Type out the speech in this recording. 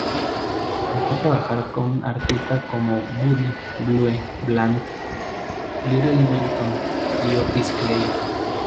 Comenzó a trabajar con artistas como Bobby "Blue" Bland, Little Milton y Otis Clay.